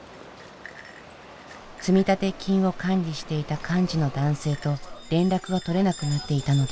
積立金を管理していた幹事の男性と連絡が取れなくなっていたのです。